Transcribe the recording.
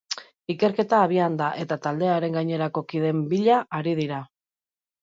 Ikerketa abian da, eta taldearen gainerako kideen bila ari dira.